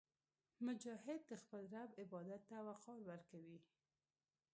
مجاهد د خپل رب عبادت ته وقار ورکوي.